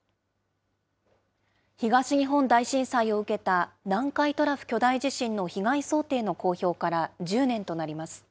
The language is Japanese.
東日本大震災を受けた南海トラフ巨大地震の被害想定の公表から１０年となります。